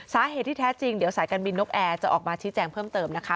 สาเหตุที่แท้จริงเดี๋ยวสายการบินนกแอร์จะออกมาชี้แจงเพิ่มเติมนะคะ